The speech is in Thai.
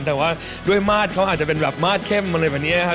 แต่ว่าด้วยมาตรเขาอาจจะเป็นแบบมาสเข้มอะไรแบบนี้นะครับ